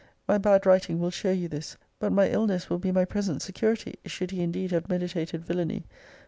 My bad writing will show you this. But my illness will be my present security, should he indeed have meditated villany.